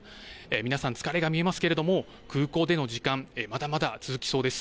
皆さん、疲れが見えますけれども空港での時間、まだまだ続きそうです。